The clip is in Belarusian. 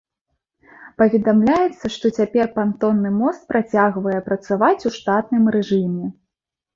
Паведамляецца, што цяпер пантонны мост працягвае працаваць у штатным рэжыме.